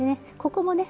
ここもね